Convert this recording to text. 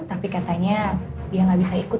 tapi katanya dia gak bisa ikut